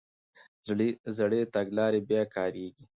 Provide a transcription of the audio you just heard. زړې تګلارې بیا کارېږي.